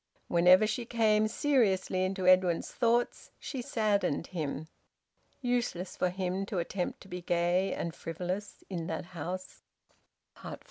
Whenever she came seriously into Edwin's thoughts she saddened him. Useless for him to attempt to be gay and frivolous in that house!